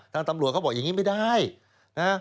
ตำรวจเขาบอกอย่างนี้ไม่ได้นะ